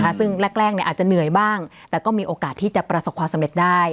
ซึ่งแรกอาจจะเหนื่อยบ้างแต่ก็มีโอกาสที่จะประสบความสำเร็จได้